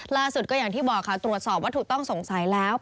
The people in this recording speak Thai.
ล่าสุดก็อย่างที่บอกค่ะตรวจสอบว่าถูกต้องสงสัยแล้ว